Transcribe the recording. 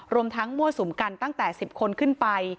รวมทั้งมั่วสุมกันตั้งแต่๑๐คนขึ้นไป